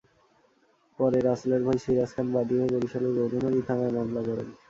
পরে রাসেলের ভাই সিরাজ খান বাদী হয়ে বরিশালের গৌরনদী থানায় মামলা করেন।